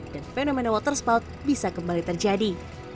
dan fenomena water spout bisa kembali terjadi